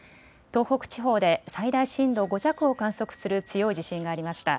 東北地方で最大震度５弱を観測する強い地震がありました。